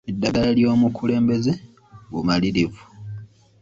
Eddagala ly'omukulembeze bumalirivu.